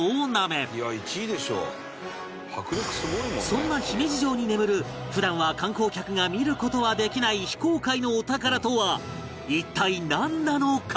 そんな姫路城に眠る普段は観光客が見る事はできない非公開のお宝とは一体なんなのか？